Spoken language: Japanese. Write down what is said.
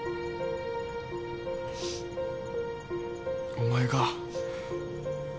お前が。